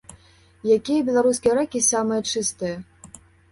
Якія беларускія рэкі самыя чыстыя?